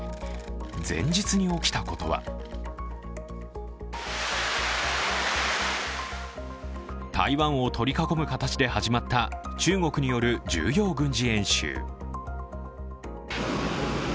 前日に起きたことは台湾を取り囲む形で始まった中国による重要軍事演習。